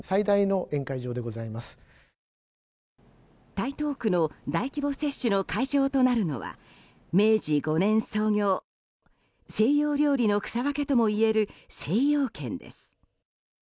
台東区の大規模接種の会場となるのは明治５年創業西洋料理の草分けともいえる精養軒です。